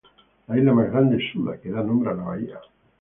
La isla más grande es Suda, que da nombre a la bahía.